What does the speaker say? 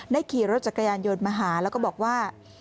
ขี่รถจักรยานยนต์มาหาแล้วก็บอกว่า